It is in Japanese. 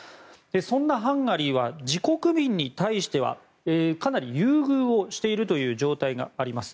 そんなハンガリーは自国民に対してはかなり優遇をしているという状態があります。